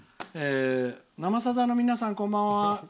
「「生さだ」の皆さんこんばんは。